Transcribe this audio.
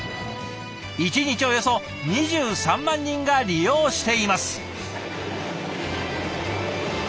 １日およそ２３万人が利用しています。